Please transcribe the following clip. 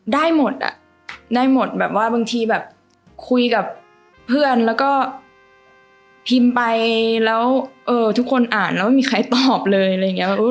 ได้หมดอ่ะได้หมดแบบว่าบางทีแบบคุยกับเพื่อนแล้วก็พิมพ์ไปแล้วทุกคนอ่านแล้วไม่มีใครตอบเลยอะไรอย่างนี้